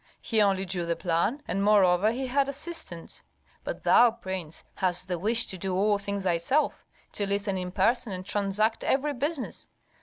He only drew the plan, and moreover he had assistants. But thou, prince, hadst the wish to do all things thyself, to listen in person and transact every business.